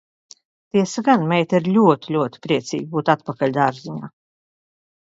Tiesa gan, meita ir ļoti, ļoti priecīga būt atpakaļ dārziņā.